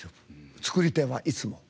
作り手は、いつも。